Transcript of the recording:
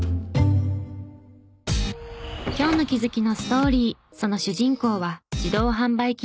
今日の気づきのストーリーその主人公は自動販売機